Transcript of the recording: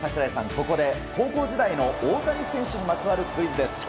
ここで高校時代の大谷選手にまつわるクイズです。